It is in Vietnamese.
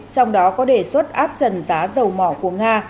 trong đó có đề xuất áp trần giá dầu mỏ của nga